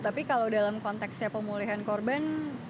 tapi kalau dalam konteksnya pemulihan korban